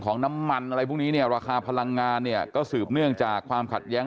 น้ำมันอะไรพวกนี้เนี่ยราคาพลังงานเนี่ยก็สืบเนื่องจากความขัดแย้ง